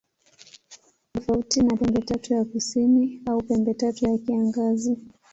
Ni tofauti na Pembetatu ya Kusini au Pembetatu ya Kiangazi.